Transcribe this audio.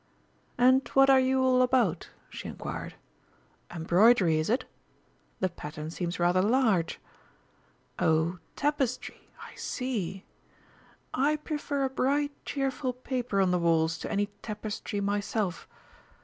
"And what are you all about?" she inquired. "Embroidery, is it? The pattern seems rather large.... Oh, tapestry? I see. I prefer a bright, cheerful paper on the walls to any tapestry myself.